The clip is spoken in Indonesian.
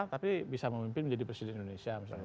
tapi bisa memimpin menjadi presiden indonesia misalnya